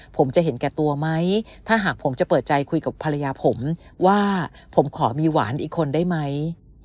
ผมจะเห็นแก่ตัวไหมถ้าหากผมจะเปิดใจคุยกับภรรยาผมว่าผมขอมีหวานอีกคนได้ไหม